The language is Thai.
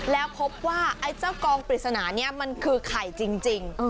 แล้วพบว่าไอ้เจ้ากองปริศนานี้มันคือไข่จริง